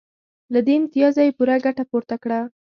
له دې امتیازه یې پوره ګټه پورته کړه